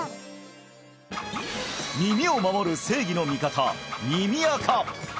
耳を守る正義の味方耳アカ